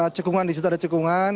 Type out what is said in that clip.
cekungan di situ ada cekungan